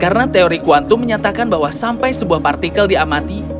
karena teori kuantum menyatakan bahwa sampai sebuah partikel diamati